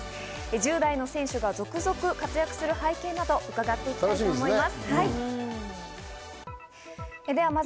１０代の選手が続々活躍する背景などを伺っていきたいと思います。